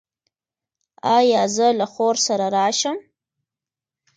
ایا زه له خور سره راشم؟